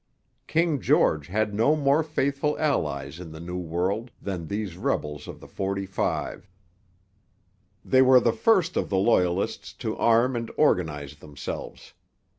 King George had no more faithful allies in the New World than these rebels of the '45. They were the first of the Loyalists to arm and organize themselves.